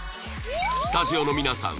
スタジオの皆さん